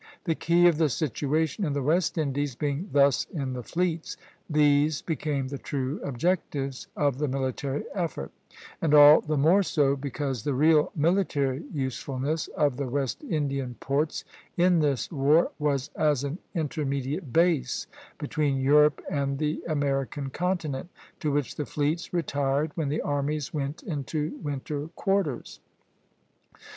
The key of the situation in the West Indies being thus in the fleets, these became the true objectives of the military effort; and all the more so because the real military usefulness of the West Indian ports in this war was as an intermediate base, between Europe and the American continent, to which the fleets retired when the armies went into winter quarters.